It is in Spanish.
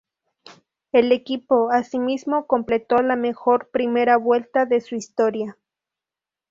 El equipo, asimismo, completó la mejor primera vuelta de su historia.